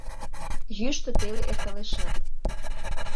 Йӱштӧ теле эрталешат